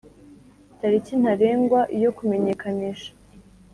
tariki ntarengwa yo kumenyekanisha